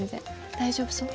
大丈夫そう？